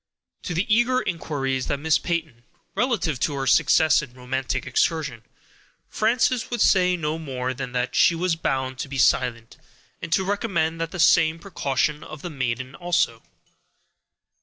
To the eager inquiries of Miss Peyton, relative to her success in her romantic excursion, Frances could say no more than that she was bound to be silent, and to recommend the same precaution to the good maiden also.